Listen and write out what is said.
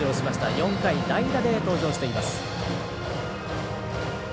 ４回、代打で登場しています。